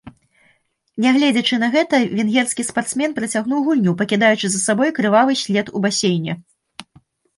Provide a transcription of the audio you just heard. Нягледзячы на гэта, венгерскі спартсмен працягнуў гульню, пакідаючы за сабой крывавы след у басейне.